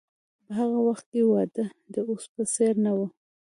په هغه وخت کې واده د اوس په څیر نه و.